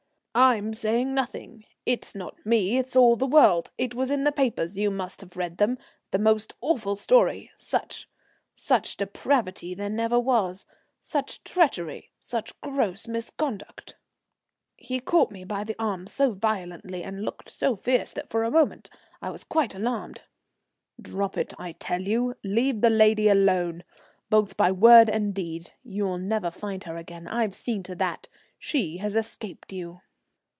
"I'm saying nothing it's not me, it's all the world. It was in the papers, you must have read them, the most awful story, such such depravity there never was such treachery, such gross misconduct." He caught me by the arm so violently and looked so fierce that for a moment I was quite alarmed. "Drop it, I tell you. Leave the lady alone, both by word and deed. You'll never find her again, I've seen to that. She has escaped you."